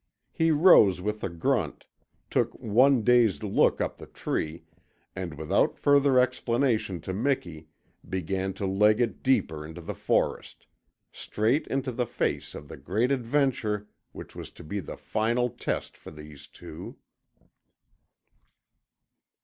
He rose with a grunt, took one dazed look up the tree, and without further explanation to Miki began to leg it deeper into the forest straight into the face of the great adventure which was to be the final test for these two.